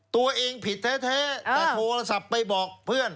ตัวเองผิดแท้แต่โทรศัพท์ไปบอกเพื่อน